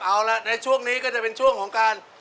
เอาละในช่วงนี้ก็จะเป็นช่วงของการ